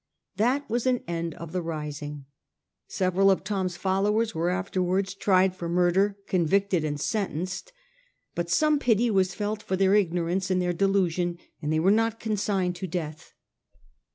That was an end of the rising. Several of Thom's followers were afterwards tried for murder, convicted and sentenced ; but some pity was felt for their ignorance and their delusion, and they were not consigned to death.